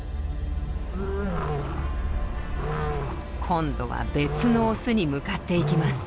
今度は別のオスに向かっていきます。